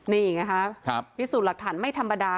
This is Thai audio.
นี่ไงฮะพิสูจน์หลักฐานไม่ธรรมดา